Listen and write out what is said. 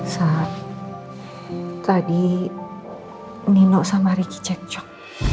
saat tadi nino sama reggie cek jok